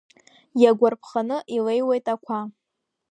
Иагәарԥханы илеиуеит ақәа.